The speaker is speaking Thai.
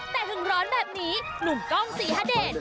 แต่ถึงร้อนแบบนี้หนุ่มกล้องศรีฮเดช